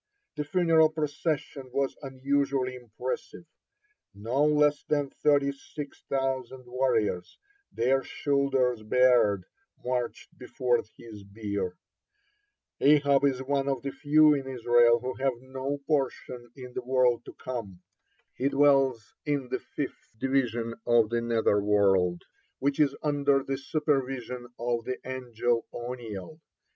(44) The funeral procession was unusually impressive; no less than thirty six thousand warriors, their shoulders bared, marched before his bier. (45) Ahab is one of the few in Israel who have no portion in the world to come. (46) He dwells in the fifth division of the nether world, which is under the supervision of the angel Oniel.